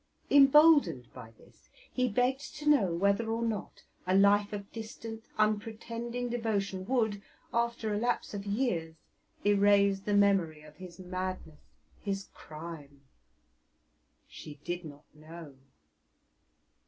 Emboldened by this, he begged to know whether or not a life of distant unpretending devotion would, after a lapse of years, erase the memory of his madness his crime! She did not know!